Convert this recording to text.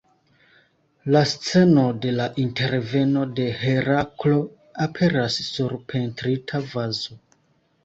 La sceno de la interveno de Heraklo aperas sur pentrita vazo.